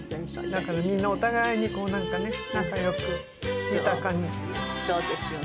だからみんなお互いになんかね仲良く。